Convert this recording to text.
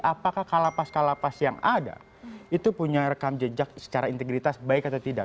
apakah kalapas kalapas yang ada itu punya rekam jejak secara integritas baik atau tidak